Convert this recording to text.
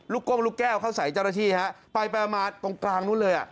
ลุกกล้มลุกแก้วเข้าใส่เจ้าระชีฮะไปประมาณตรงกลางนู้นเลย